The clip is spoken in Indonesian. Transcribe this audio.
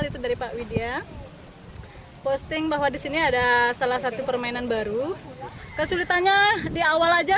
tapi seru juga ya